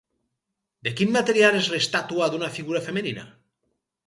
De quin material és l'estàtua d'una figura femenina?